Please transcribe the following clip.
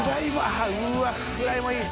うわっフライもいい。